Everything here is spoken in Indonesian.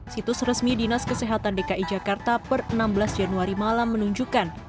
situs resmi dinas kesehatan dki jakarta per enam belas januari malam menunjukkan